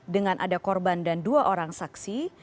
dengan ada korban dan dua orang saksi